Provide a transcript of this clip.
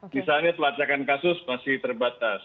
misalnya pelacakan kasus masih terbatas